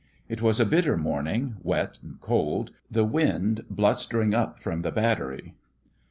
It was a bitter morning wet and cold, the wind blus tering up from the Battery.